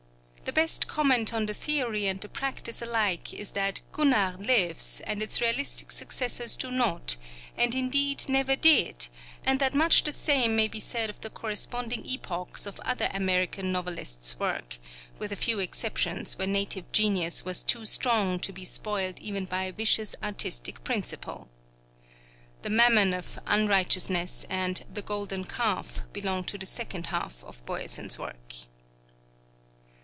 The best comment on the theory and the practice alike is that 'Gunnar' lives and its realistic successors do not, and indeed never did; and that much the same may be said of the corresponding epochs of other American novelists' work, with a few exceptions where native genius was too strong to be spoiled even by a vicious artistic principle. 'The Mammon of Unrighteousness' and 'The Golden Calf' belong to the second half of Boyesen's work.